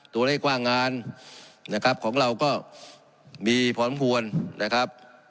ตัวเลขกว้างงานนะครับของเราก็มีผอนพวนนะครับ